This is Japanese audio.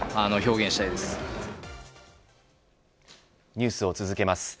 ニュースを続けます。